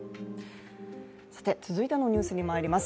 続いてのニュースにまいります。